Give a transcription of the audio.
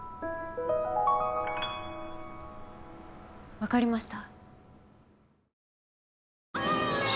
わかりました。